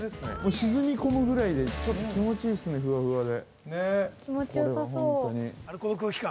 沈み込むぐらいでちょっと気持ちいいですね、ふわふわで。